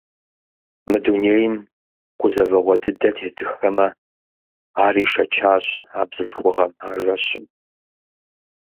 Мы дунейм гузэвэгъуэ дыдэ тетыххэмэ, ар ишэчащ а бзылъхугъэм а жэщым.